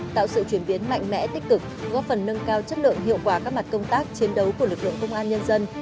tạo sự chuyển biến mạnh mẽ tích cực góp phần nâng cao chất lượng hiệu quả các mặt công tác chiến đấu của lực lượng công an nhân dân